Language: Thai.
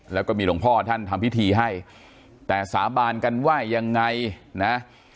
แล้วก็มีหลวงพ่อท่านทำพิธีให้แต่สาบานกันว่ายังไงนะ